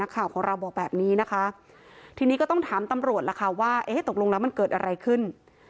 ข่าวของเราบอกแบบนี้นะคะทีนี้ก็ต้องถามตำรวจล่ะค่ะว่าเอ๊ะตกลงแล้วมันเกิดอะไรขึ้น